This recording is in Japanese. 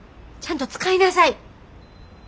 ちゃんと使いなさい。